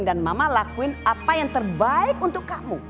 mama lakuin apa yang terbaik untuk kamu